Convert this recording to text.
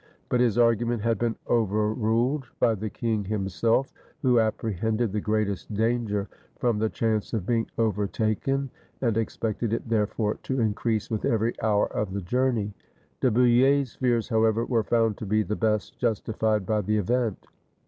But his argument had been overruled by the king himself, who apprehended the greatest dan ger from the chance of being overtaken, and expected it therefore to increase with every hour of the journey. De Bouille's fears, however, were found to be the best justi fied by the event.